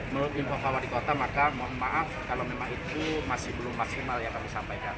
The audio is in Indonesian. menurut info pak wali kota maka mohon maaf kalau memang itu masih belum maksimal yang kami sampaikan